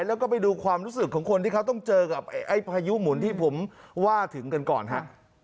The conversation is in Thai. แล้วก็ไปดูความรู้สึกของคนที่เขาต้องเจอกับไอ้พายุหมุนที่ผมว่าถึงกันก่อนฮะ